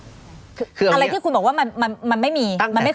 อะไรที่คุณบอกว่ามันไม่มี